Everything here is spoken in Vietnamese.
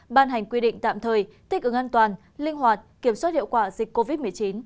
ban hành quy định tạm thời thích ứng an toàn linh hoạt kiểm soát hiệu quả dịch covid một mươi chín